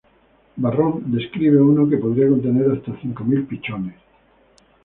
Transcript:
Varrón describe uno que podría contener hasta cinco mil pichones.